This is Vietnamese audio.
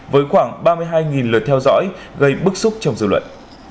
với khoảng ba mươi hai lượt theo dõi gây bức xúc trong dư luận